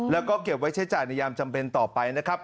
แล้วก็เก็บไว้ใช้จ่ายในยามจำเป็นต่อไปนะครับ